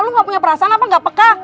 lu gak punya perasaan apa enggak peka